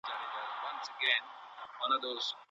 ولي لېواله انسان د تکړه سړي په پرتله لاره اسانه کوي؟